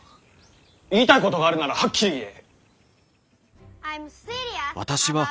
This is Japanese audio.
言いたいことがあるならはっきり言え！